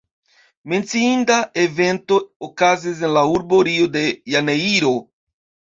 Menciinda evento okazis en la urbo Rio de janeiro.